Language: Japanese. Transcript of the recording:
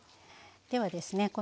ではですね